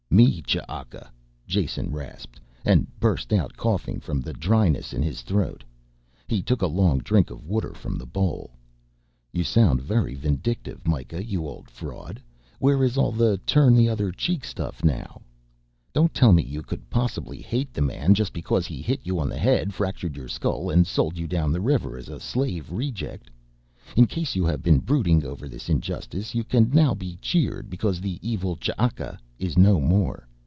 "Me Ch'aka," Jason rasped, and burst out coughing from the dryness in his throat. He took a long drink of water from the bowl. "You sound very vindictive, Mikah you old fraud. Where is all the turn the other cheek stuff now? Don't tell me you could possibly hate the man just because he hit you on the head, fractured your skull and sold you down the river as a slave reject? In case you have been brooding over this injustice you can now be cheered because the evil Ch'aka is no more.